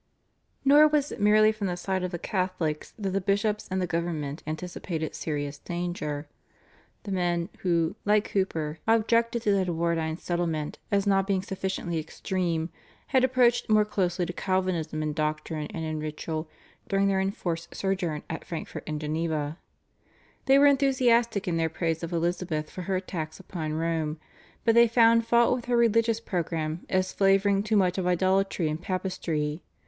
Nor was it merely from the side of the Catholics that the bishops and the government anticipated serious danger. The men, who, like Hooper, objected to the Edwardine settlement as not being sufficiently extreme, had approached more closely to Calvinism in doctrine and in ritual during their enforced sojourn at Frankfurt and Geneva. They were enthusiastic in their praise of Elizabeth for her attacks upon Rome, but they found fault with her religious programme as flavouring too much of idolatry and papistry.